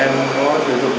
em có sử dụng nhiều lần rồi